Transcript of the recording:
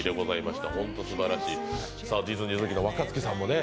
ディズニー好きの若槻さんもね。